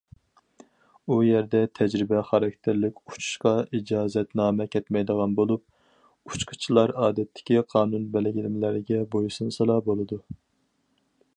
ئۇ يەردە تەجرىبە خاراكتېرلىك ئۇچۇشقا ئىجازەتنامە كەتمەيدىغان بولۇپ، ئۇچقۇچىلار ئادەتتىكى قانۇن بەلگىلىمىلىرىگە بويسۇنسىلا بولىدۇ.